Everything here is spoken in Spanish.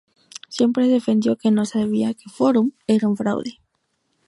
Siempre defendió que no sabía que Fórum era un fraude.